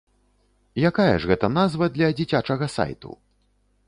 Якая ж гэта назва для дзіцячага сайту?